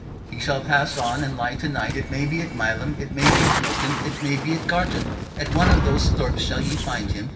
He shall pass on and lie to night, it may be at Mileham, it may be at Milton, it may be at Garton; at one of those thorps shall ye find him.